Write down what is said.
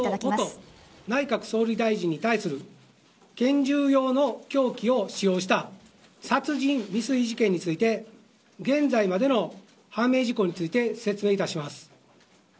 元内閣総理大臣に対する凶器を使用した殺人未遂事件について現在までの判明事項について説明いたします。